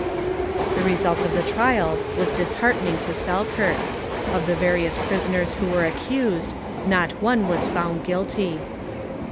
The result of the trials was disheartening to Selkirk. Of the various prisoners who were accused not one was found guilty.